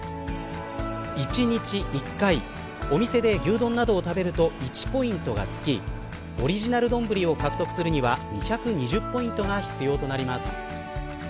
１日１回お店で牛丼などを食べると１ポイントがつきオリジナル丼を獲得するには２２０ポイントが必要となります。